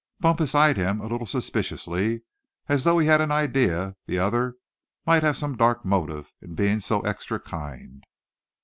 Bumpus eyed him a little suspiciously, as though he had an idea the other might have some dark motive in being so extra kind.